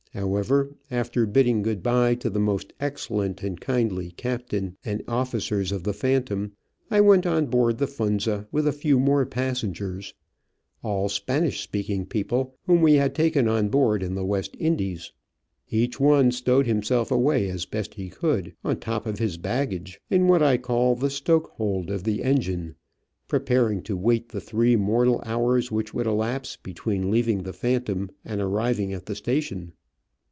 However, after bidding good bye to the most excellent and kindly captain and officers of the Phantom, I went on board the Funza with a few more passengers, all Spanish speaking people, whom we had taken on board in the West Indies. Each one stowed himself away as best he could, on the top of his baggage, in what I call Digitized by VjOOQ IC OF AN Orchid Hunter, 39 the stoke hole of the engine, prepared to wait the three mortal hours which would elapse between leaving the Phantom and arriving at the station.